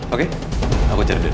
oke aku cari dulu